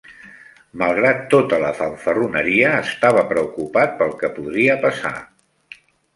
Malgrat tota la fanfarroneria, estava preocupat pel que podria passar.